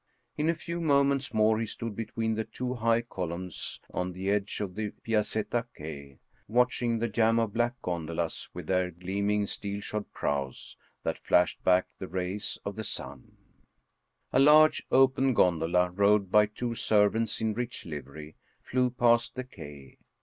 In a few moments more he stood between the two high columns on the edge of the Piazetta Quay, watching the jam of black gondolas with their gleaming, steel shod prows that flashed back the rays of the sun. 58 Paul Heyse A large, open gondola, rowed by two servants in rich livery, flew past the quay.